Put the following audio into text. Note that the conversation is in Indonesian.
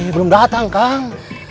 belum datang kang